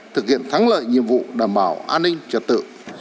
thực hiện thắng lợi nhiệm vụ đảm bảo an ninh trật tự